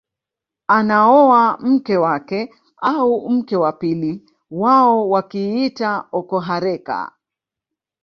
Anaoa mke wake au mke wa pili wao wakiita okohareka